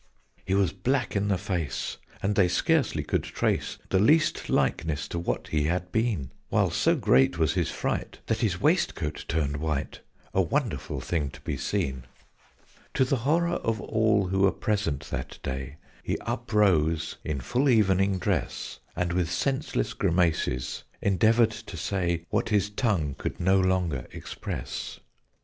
He was black in the face, and they scarcely could trace The least likeness to what he had been: While so great was his fright that his waistcoat turned white A wonderful thing to be seen! [Illustration: "SO GREAT WAS HIS FRIGHT THAT HIS WAISTCOAT TURNED WHITE."] To the horror of all who were present that day, He uprose in full evening dress, And with senseless grimaces endeavoured to say What his tongue could no longer express.